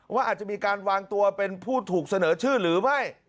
ว่าอาจจะมีการวางตัวเป็นผู้ถูกเสนอชื่อหรือไม่